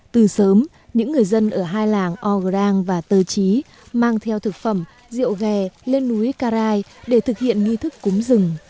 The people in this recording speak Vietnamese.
từ sớm những người dân ở hai làng ograng và tơ chí mang theo thực phẩm rượu ghè lên núi karai để thực hiện nghi thức cúng rừng